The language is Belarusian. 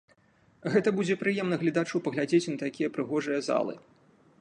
Гэта будзе прыемна гледачу паглядзець на такія прыгожыя залы.